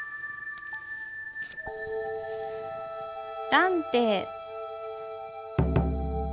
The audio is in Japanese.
「蘭亭」。